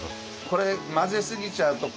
これ混ぜすぎちゃうと